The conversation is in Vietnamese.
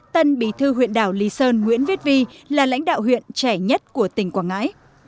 tân bí thư huyện đảo lý sơn nguyễn viết vi là lãnh đạo huyện trẻ nhất của tỉnh quảng ngãi